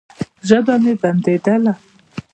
ژبه مې بنديدله.